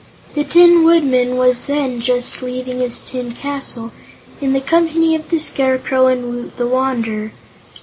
The Tin Woodman was then just leaving his tin castle in the company of the Scarecrow and Woot the Wanderer.